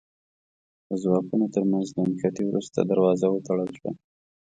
د ځواکونو تر منځ له نښتې وروسته دروازه وتړل شوه.